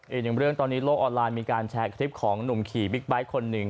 อีกหนึ่งเรื่องตอนนี้โลกออนไลน์มีการแชร์คลิปของหนุ่มขี่บิ๊กไบท์คนหนึ่ง